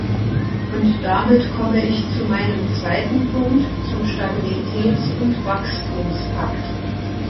Und damit komme ich zu meinem zweiten Punkt, zum Stabilitäts- und Wachstumspakt.